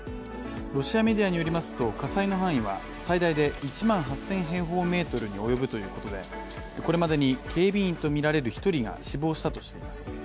ロシアメディアによりますと火災の範囲は最大で１万８０００平方メートルに及ぶということでこれまでに警備員とみられる１人が死亡したとしています。